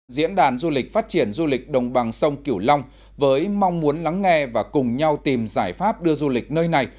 diễn đàn du lịch phát triển du lịch đồng bằng sông kiểu long với mong muốn lắng nghe và cùng nhau tìm giải pháp đưa du lịch nơi này